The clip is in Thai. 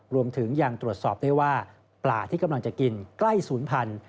รวมถึงยังตรวจสอบได้ว่าปลาที่กำลังจะกินใกล้ศูนย์พันธุ